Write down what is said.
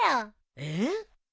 えっ？